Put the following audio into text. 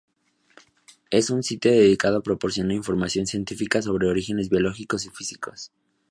Es un sitio dedicado a proporcionar información científica sobre orígenes biológicos y físicos.